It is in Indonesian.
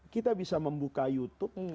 kita bisa membuka youtube